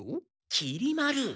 きり丸！